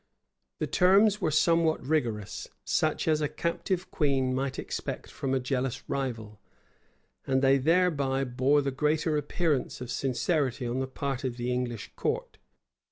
The terms were somewhat rigorous, such as a captive queen might expect from a jealous rival; and they thereby bore the greater appearance of sincerity on the part of the English court.